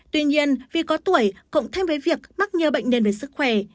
tuy nhiên vì có tuổi cộng thêm với việc mắc nhớ bệnh nên về sức khỏe